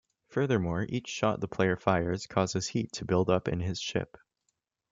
Furthermore, each shot the player fires causes heat to build up in his ship.